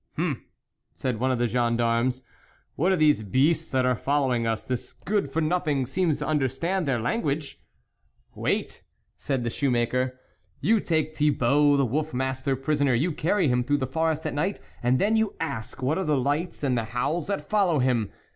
" H'm !" said one of the gendarmes, " what are these beasts that are following us ? this good for nothing seems to under stand their language ?"" What !" said the shoemaker, " you take Thibault the wolf master prisoner, you carry him through the forest at night, and then you ask what are the lights and the howls that follow him